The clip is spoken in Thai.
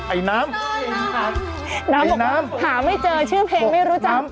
ไอ้น้ำน้ำหาไม่เจอชื่อเพลงไม่รู้จัก